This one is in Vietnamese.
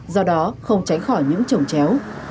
do đó không tránh khỏi những trồng chéo